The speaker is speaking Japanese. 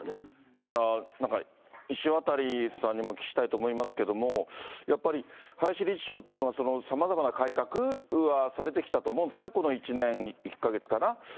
だから、なんか、石渡さんにもお聞きしたいと思いますけども、やっぱり、林理事長というのは、さまざまな改革はされてきたと思うんですね、この１年１か月かな。